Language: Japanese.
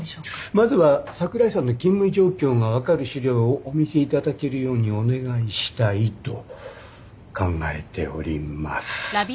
まずは櫻井さんの勤務状況が分かる資料をお見せいただけるようにお願いしたいと考えております。